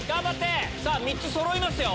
さぁ３つそろいますよ。